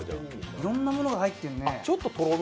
いろんなものが入ってるね。